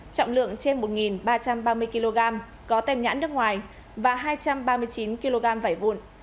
trọng lượng trên một ba trăm ba mươi kg có tem nhãn nước ngoài và hai trăm ba mươi chín kg vải vụn